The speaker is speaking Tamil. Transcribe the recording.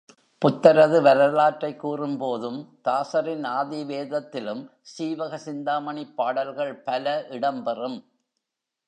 புத்தரது வரலாற்றைக்கூறும்போதும் தாசரின் ஆதிவேதத் திலும் சீவக சிந்தாமணிப் பாடல்கள் பல இடம்பெறும்.